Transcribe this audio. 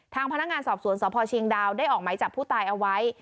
ทางพนักงานสอบสวนสพเชียงดาวได้ออกไหมจับผู้ตายเอาไว้